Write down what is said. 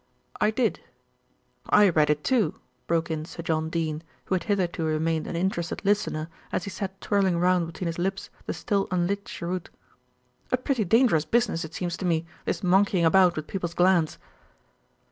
"I did." "I read it too," broke in Sir John Dene, who had hitherto remained an interested listener, as he sat twirling round between his lips the still unlit cheroot. "A pretty dangerous business it seems to me, this monkeying about with people's glands."